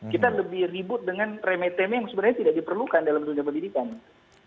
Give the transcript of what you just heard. kita lebih ribut dengan remeh teme yang sebenarnya tidak diperlukan dalam dunia pendidikan